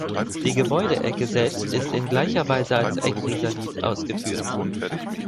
Die Gebäudeecke selbst ist in gleicher Weise als Eckrisalit ausgeführt.